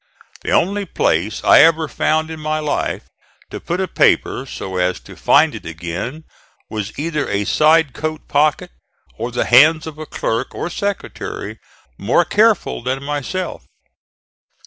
The only place I ever found in my life to put a paper so as to find it again was either a side coat pocket or the hands of a clerk or secretary more careful than myself.